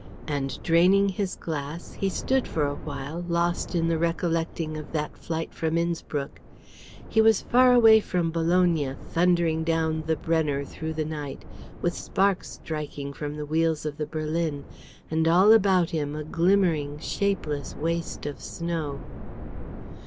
and draining his glass he stood for a while, lost in the recollecting of that flight from Innspruck; he was far away from Bologna thundering down the Brenner through the night, with the sparks striking from the wheels of the berlin, and all about him a glimmering, shapeless waste of snow.